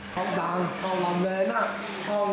không bảng không làm vến không làm đồng